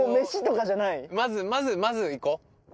まずまずまず行こう。